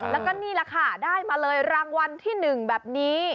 แล้วก็นี่แหละค่ะได้มาเลยรางวัลที่๑แบบนี้